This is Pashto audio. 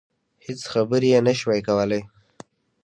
هېڅ خبرې يې نشوای کولای.